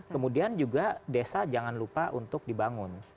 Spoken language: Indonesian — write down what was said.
kemudian juga desa jangan lupa untuk dibangun